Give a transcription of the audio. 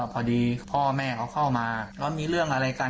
พอดีพ่อแม่เขาเข้ามาแล้วมีเรื่องอะไรกัน